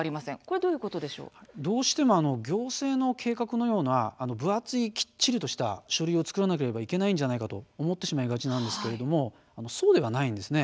どうしても行政の計画のような分厚いきっちりとした書類を作らなければいけないのではないかと思いがちなんですがそうではないんです。